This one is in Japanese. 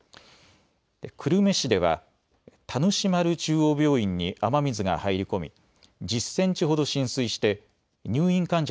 久留米市では田主丸中央病院に雨水が入り込み１０センチほど浸水して入院患者